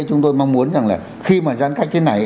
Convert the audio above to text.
chúng tôi mong muốn rằng là khi mà giãn cách thế này